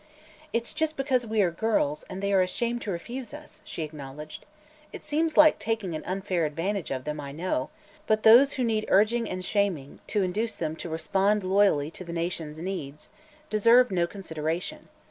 "It's just because we are girls, and they are ashamed to refuse us," she acknowledged. "It seems like taking an unfair advantage of them, I know, but those who need urging and shaming, to induce them to respond loyally to the nation's needs, deserve no consideration.